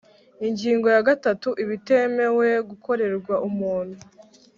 Ingingo ya gatatu Ibitemewe gukorerwa umuntu